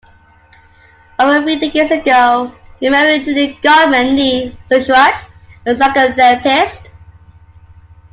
Over three decades ago, he married Julie Gottman nee Schwartz, a psychotherapist.